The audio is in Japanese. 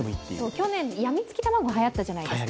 去年、やみつき卵、はやったじゃないですか。